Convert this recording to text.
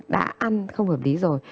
đã ăn không hợp lý rồi